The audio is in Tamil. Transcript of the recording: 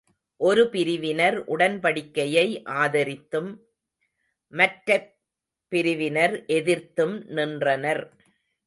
ஒரு பிரிவினர் உடன்படிக்கையை ஆதரித்தும், மற்றப் பிரிவினர் எதிர்த்தும் நின்றனர்.